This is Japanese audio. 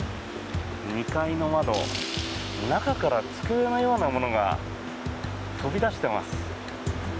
２階の窓中から机のようなものが飛び出してます。